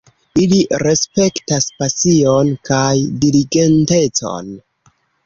Ili respektas pasion kaj diligentecon